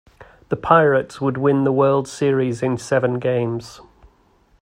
The Pirates would win the World Series in seven games.